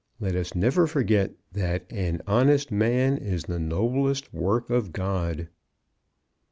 Let us never forget that "An honest man is the noblest work of God."